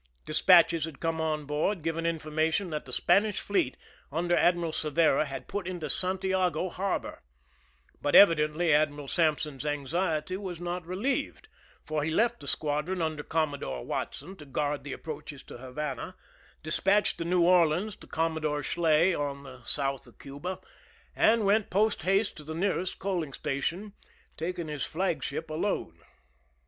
Despatches had come on board giving information that the Spanish fleet, under Admiral Cervera, had put into Santiago harbor ; but evi dently Admiral Sampson's anxiety was not relieved, for he left the squadron under Commodore Watson to guard the approaches to Havana, despatched the New Orleans to Commodore Schley on the south of Cuba, and went post haste to the nearest coaling station, taking his flagship alone.